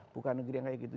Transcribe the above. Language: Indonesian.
bukan negeri yang kayak gitu